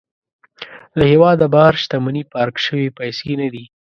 له هېواده بهر شتمني پارک شوې پيسې نه دي.